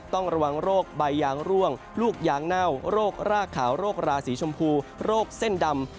ต้องระวังโรคใบยางร่วงลูกยางเน่าโรครากขาวโรคราสีชมพูโรคเส้นดำ